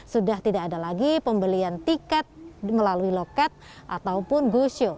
sudah tidak ada lagi pembelian tiket melalui loket ataupun go show